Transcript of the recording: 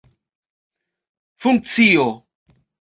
funkcio